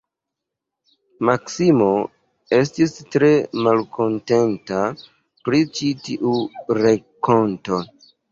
Maksimo estis tre malkontenta pri ĉi tiu renkonto.